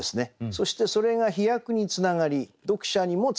そしてそれが飛躍につながり読者にもつながる。